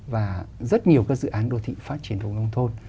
và rất nhiều các dự án đô thị phát triển vào nông thôn